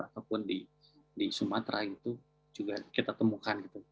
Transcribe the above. ataupun di sumatera juga kita temukan